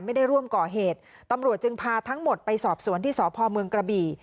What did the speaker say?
ไม่ได้ร่วมก่อเหตุตำรวจจึงพาทั้งหมดไปสอบสวนที่สพเมืองกระบี่